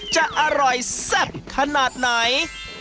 จะอร่อยแซ่บขนาดไหน